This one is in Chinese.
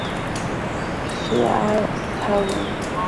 屈埃泰乌。